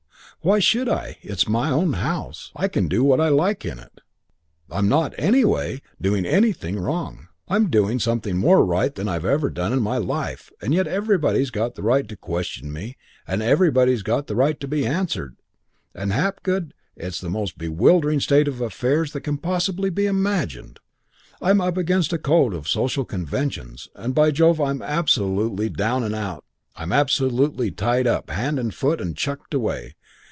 Why should I? It's my own house. I can do what I like in it. I'm not, anyway, doing anything wrong. I'm doing something more right than I've ever done in my life, and yet everybody's got the right to question me and everybody's got the right to be answered and Hapgood, it's the most bewildering state of affairs that can possibly be imagined. I'm up against a code of social conventions, and by Jove I'm absolutely down and out. I'm absolutely tied up hand and foot and chucked away.